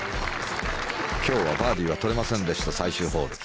今日はバーディーは取れませんでした最終ホール。